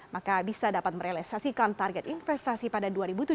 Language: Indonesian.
maka bisa dapat merealisasikan target investasi pada dua ribu tujuh belas